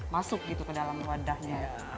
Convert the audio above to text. masuk gitu ke dalam wadahnya